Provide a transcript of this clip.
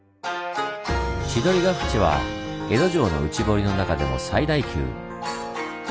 千鳥ヶ淵は江戸城の内堀の中でも最大級。